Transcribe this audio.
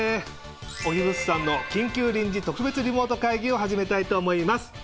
小木物産の緊急臨時特別リモート会議を始めたいと思います！